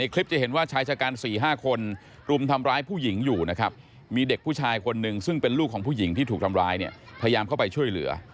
คนที่ถูกทำร้ายเนี่ยพยายามเข้าไปช่วยเหลือ